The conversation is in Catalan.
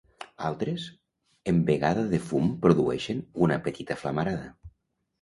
Altres en vegada de fum produeixen una petita flamarada.